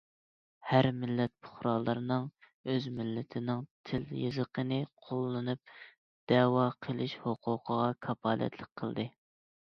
ھەر مىللەت پۇقرالىرىنىڭ ئۆز مىللىتىنىڭ تىل- يېزىقىنى قوللىنىپ دەۋا قىلىش ھوقۇقىغا كاپالەتلىك قىلدى.